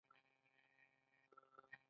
دوی له کثافاتو انرژي اخلي.